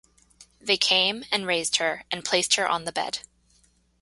They came, and raised her, and placed her on the bed.